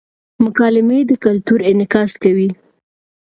مکالمې د کلتور انعکاس کوي.